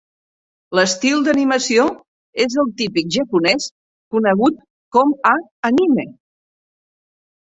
L'estil d'animació és el típic japonès, conegut com a anime.